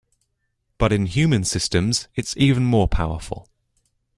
But in human systems it's even more powerful.